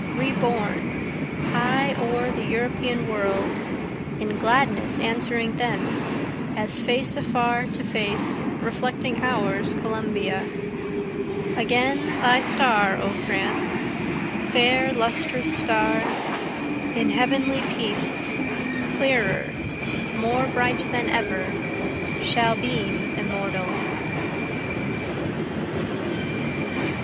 reborn, high o'er the European world, (In gladness answering thence, as face afar to face, reflecting ours Columbia,) Again thy star O France, fair lustrous star, In heavenly peace, clearer, more bright than ever, Shall beam immortal.